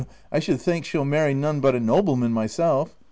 — I should think she'll marry none but a noble man, myself.